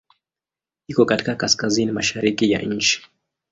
Iko katika kaskazini-mashariki ya nchi.